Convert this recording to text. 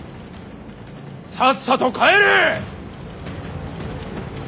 さっさと帰れ！